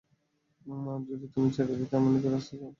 যদি তুমি তাদের ছেড়ে আমার নিকট আসতে চাও, তাহলে আসতে পার।